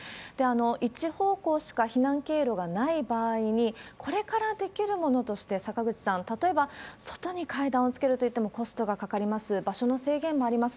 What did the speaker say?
１方向しか避難経路がない場合に、これからできるものとして、坂口さん、例えば外に階段をつけるといってもコストがかかります、場所の制限もあります。